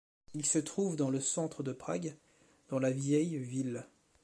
Il se trouve dans le centre de Prague, dans la Vieille Ville.